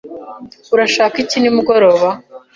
urashaka iki nimugoroba?